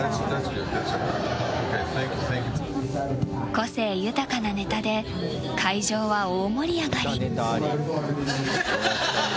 個性豊かなネタで会場は大盛り上がり。